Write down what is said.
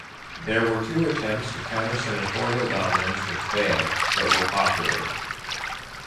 There were two attempts to counter senatorial dominance which failed, but were popular.